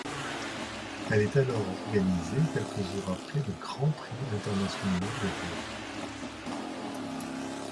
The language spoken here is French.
Elle est alors organisée quelques jours après le Grand Prix International de Rhodes.